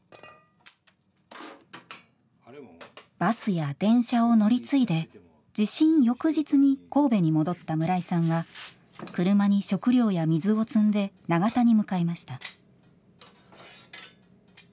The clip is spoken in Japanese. バスや電車を乗り継いで地震翌日に神戸に戻った村井さんは車に食料や水を積んで長田に向かいました。